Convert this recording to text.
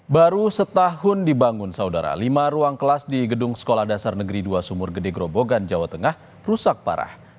baru setahun dibangun saudara lima ruang kelas di gedung sekolah dasar negeri dua sumur gede grobogan jawa tengah rusak parah